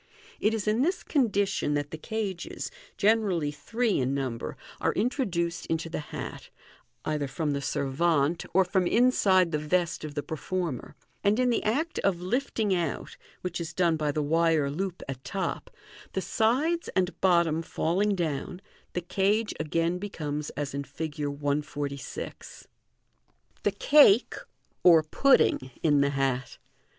It is in this condition that the cages, generally three in number, are introduced into the hat, either from the servante or from inside the vest of the per former 5 and in the act of lifting out (which is done by the wire loop at top), the sides and bottom falling down, the cage again becomes as in Fig. 146. The Cake (or Pudding) in the Hat.